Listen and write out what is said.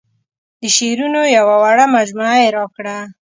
د شعرونو یوه وړه مجموعه یې راکړه.